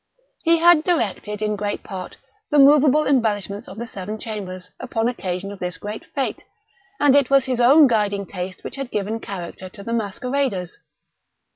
He had directed, in great part, the moveable embellishments of the seven chambers, upon occasion of this great fête; and it was his own guiding taste which had given character to the masqueraders.